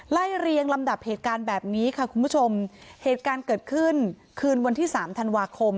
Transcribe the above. เรียงลำดับเหตุการณ์แบบนี้ค่ะคุณผู้ชมเหตุการณ์เกิดขึ้นคืนวันที่สามธันวาคม